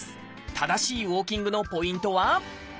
正しいウォーキングのポイントは？